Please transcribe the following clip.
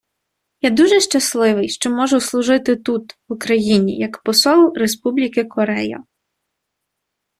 Я дуже щасливий, що можу служити тут, в Україні, як Посол Республіки Корея.